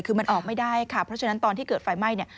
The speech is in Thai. คือมันออกไม่ได้ค่ะเพราะฉะนั้นตอนที่เกิดไฟไหม้เนี่ย